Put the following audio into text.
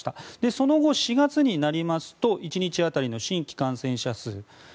その後、４月になりますと１日当たりの新規感染者数１０万